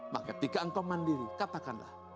maka ketika engkau mandiri katakanlah